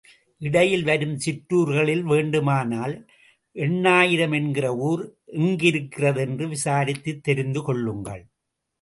இடையில் வரும் சிற்றூர்களில் வேண்டுமானால், எண்ணாயிரம் என்கிற ஊர் எங்கிருக்கிறது என்று விசாரித்துத் தெரிந்து கொள்ளுங்கள்.